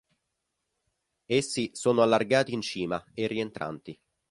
Essi sono allargati in cima e rientranti.